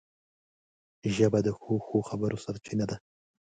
ژبه د ښو ښو خبرو سرچینه ده